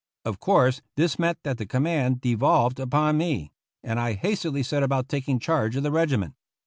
Of course, this meant that the command devolved upon me, and I hastily set about taking charge of the regiment.